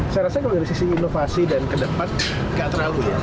saya rasa kalau dari sisi inovasi dan ke depan nggak terlalu ya